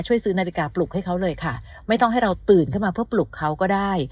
ซื้อนาฬิกาปลุกให้เขาเลยค่ะไม่ต้องให้เราตื่นขึ้นมาเพื่อปลุกเขาก็ได้